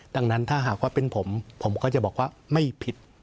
ดังนั้นถ้าหากว่าเป็นผมผมก็จะบอกว่าไม่ผิด